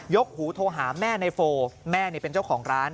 กหูโทรหาแม่ในโฟแม่นี่เป็นเจ้าของร้าน